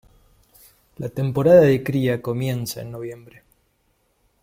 La temporada de cría comienza en noviembre.